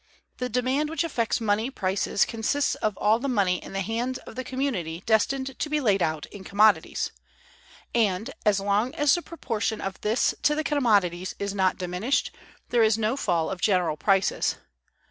The demand which affects money prices consists of all the money in the hands of the community destined to be laid out in commodities; and, as long as the proportion of this to the commodities is not diminished, there is no fall of general prices.